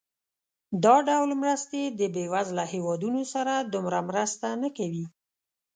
دا ډول مرستې د بېوزله هېوادونو سره دومره مرسته نه کوي.